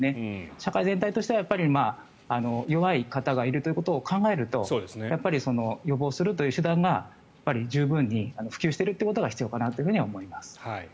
社会全体としては弱い方がいるということを考えると予防するという手段が十分に普及しているということが必要かなというふうには思います。